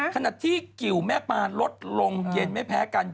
ขณะที่กิวแม่ปลาลดลงเย็นไม่แพ้กัน